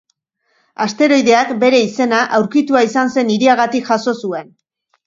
Asteroideak, bere izena, aurkitua izan zen hiriagatik jaso zuen.